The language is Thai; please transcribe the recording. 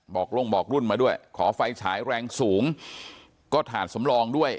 กรงบอกรุ่นมาด้วยขอไฟฉายแรงสูงก็ถ่านสำรองด้วย